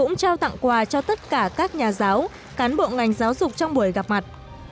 giao tặng quà cho tất cả các nhà giáo cán bộ ngành giáo dục trong buổi gặp mặt